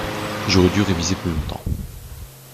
J'aurais du réviser plus longtemps.